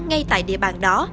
ngay tại địa bàn đó